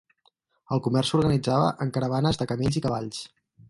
El comerç s'organitzava en caravanes de camells i cavalls.